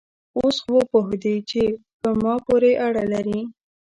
اوس خو وپوهېدې چې په ما پورې اړه لري؟